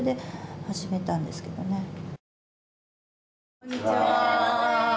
こんにちは。